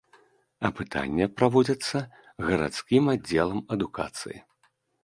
Апытанне праводзіцца гарадскім аддзелам адукацыі.